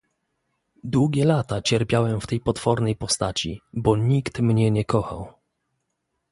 "Długie lata cierpiałem w tej potwornej postaci, bo nikt mnie nie kochał."